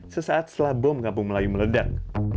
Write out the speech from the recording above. sesaat setelah bom ngapung melayu meledak